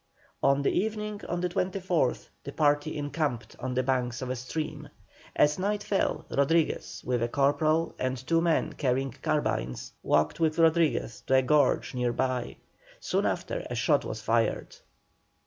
On the evening of the 24th the party encamped on the banks of a stream. As night fell Navarro, with a corporal and two men carrying carbines, walked with Rodriguez into a gorge near by. Soon after a shot was fired.